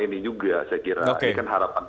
ini juga saya kira ini kan harapan